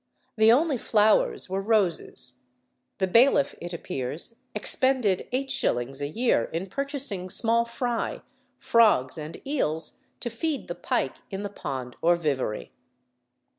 The only flowers were roses. The bailiff, it appears, expended 8s. a year in purchasing small fry, frogs, and eels, to feed the pike in the pond or vivary.